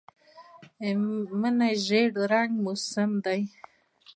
مني د زېړ رنګ موسم دی